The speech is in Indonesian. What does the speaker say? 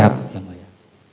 siap yang mulia